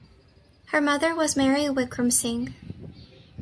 Her mother was Mary Wickramasinghe.